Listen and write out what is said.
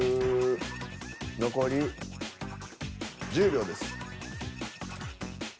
残り１０秒です。